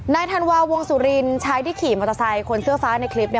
ธันวาวงสุรินชายที่ขี่มอเตอร์ไซค์คนเสื้อฟ้าในคลิปเนี่ย